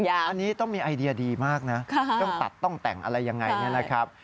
อันนี้ต้องมีไอเดียดีมากนะต้องตัดต้องแต่งอะไรยังไงเนี่ยนะครับ